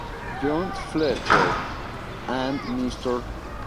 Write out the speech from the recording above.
John Fletcher and Mr.